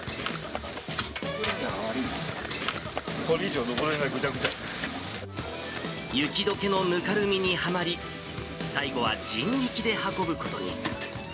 これ以上上れない、ぐちゃぐ雪どけのぬかるみにはまり、最後は人力で運ぶことに。